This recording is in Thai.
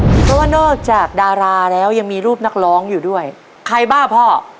เพราะว่านอกจากดาราแล้วยังมีรูปนักร้องอยู่ด้วยใครบ้าพ่อ